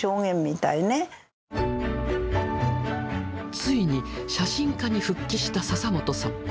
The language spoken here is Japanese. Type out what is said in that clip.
ついに写真家に復帰した笹本さん。